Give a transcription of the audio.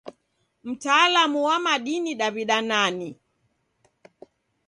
Mtalamu wa madini Daw'ida nani?